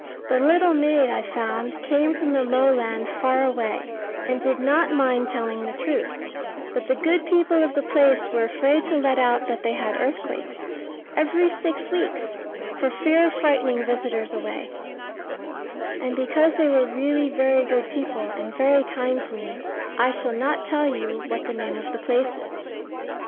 The little maid, I found, came from the lowland far away, and did not mind telling the truth: but the good people of the place were afraid to let out that they had earthquakes every six weeks, for fear of frightening visitors away: and because they were really very good people, and very kind to me, I shall not tell you what the name of the place is.